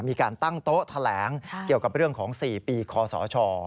มีการตั้งโต๊ะแถลงเกี่ยวกับเรื่องของ๔ปีคอสช